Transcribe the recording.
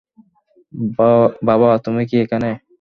বাবা, তুমি কি এখানে?